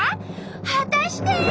果たして。